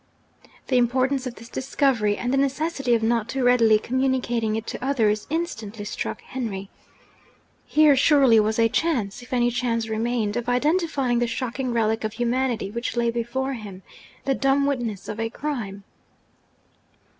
The importance of this discovery, and the necessity of not too readily communicating it to others, instantly struck Henry. Here surely was a chance if any chance remained of identifying the shocking relic of humanity which lay before him, the dumb witness of a crime!